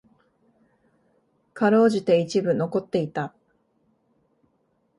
辛うじて一部残っていた。